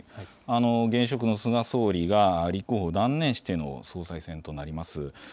現職の菅総理が立候補を断念しての総裁選となります。